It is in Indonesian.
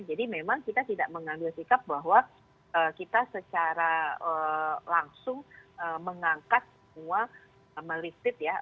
jadi memang kita tidak mengambil sikap bahwa kita secara langsung mengangkat semua melistip ya